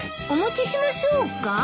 お持ちしましょうか？